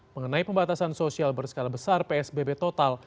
mengenai pembatasan sosial berskala besar psbb total